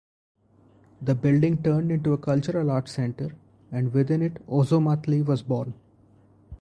The building turned into a cultural arts center, and within it Ozomatli was born.